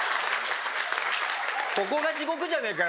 ここが地獄じゃねえかよ